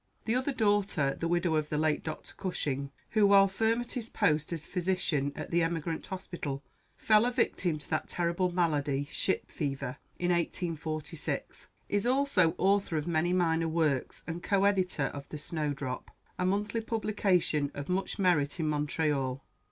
The other daughter, the widow of the late Dr. Cushing who, while firm at his post as physician at the Emigrant Hospital, fell a victim to that terrible malady, ship fever, in 1846, is also author of many minor works, and co editor of the "Snowdrop," a monthly publication of much merit in Montreal.